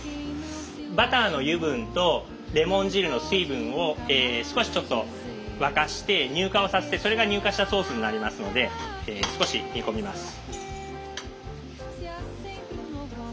バターの油分とレモン汁の水分を少しちょっと沸かして乳化をさせてそれが乳化したソースになりますので少し煮込みます。